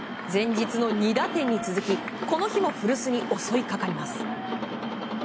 前日の２打点に続きこの日も古巣に襲いかかります。